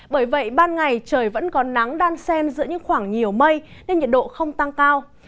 bởi vậy ban ngày trời vẫn có nắng đan sen giữa những khoảng nhiều mây nên nhiệt độ không tăng cao